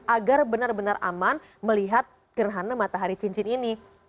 agar benar benar aman melihat gerhana matahari cincin ini